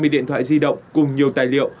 hai mươi điện thoại di động cùng nhiều tài liệu